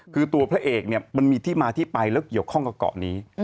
คือตัวพระเอกเนี่ยมันมีที่มาที่ไปแล้วเกี่ยวข้องกับเกาะนี้